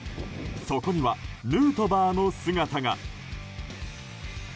そこには、ヌートバーの姿が。